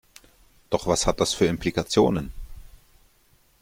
Doch was hat das für Implikationen?